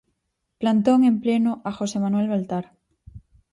Plantón en pleno a José Manuel Baltar.